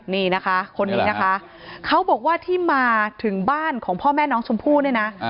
นี่นะคะคนนี้นะคะเขาบอกว่าที่มาถึงบ้านของพ่อแม่น้องชมพู่เนี่ยนะ